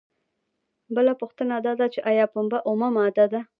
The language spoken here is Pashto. بله پوښتنه دا ده چې ایا پنبه اومه ماده ده؟